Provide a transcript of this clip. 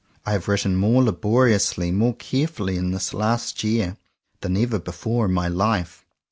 I have written more laboriously, more carefully, in this last year, than ever before in my life.